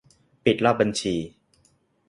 ปิดรอบบัญชี